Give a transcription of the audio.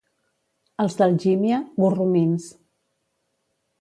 Els d'Algímia, gorromins.